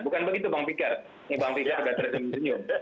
bukan begitu bang fikar ini bang fikar agak tertengger